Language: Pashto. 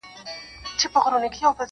زما څه ليري له ما پاته سول خواږه ملګري,